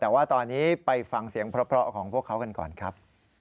แต่ว่าตอนนี้ไปฟังเสียงเพราะของพวกเขากันก่อนครับ